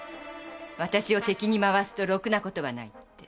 わたしを敵に回すとろくなことはないって。